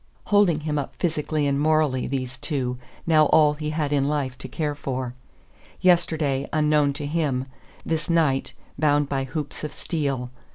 Holding him up physically and morally, these two, now all he had in life to care for. Yesterday, unknown to him; this night, bound by hoops of steel.